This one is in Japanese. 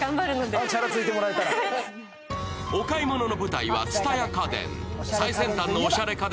お買い物の舞台は蔦屋家電。